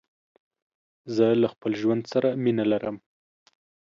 زه له خپل ژوند سره مينه لرم.